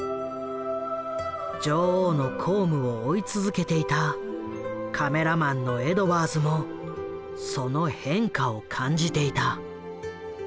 女王の公務を追い続けていたカメラマンのエドワーズもその変化を感じていた。